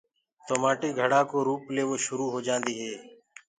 تو مآٽي گھڙآ ڪو روُپ ليوو شُرو هوجآندي هي۔